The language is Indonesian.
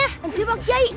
anjir pak kyai